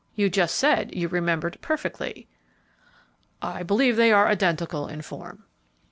"You just said you remembered perfectly." "I believe they are identical in form."